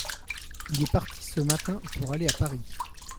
Il est parti ce matin pour aller à Paris.